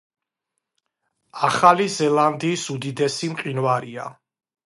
ახალი ზელანდიის უდიდესი მყინვარია.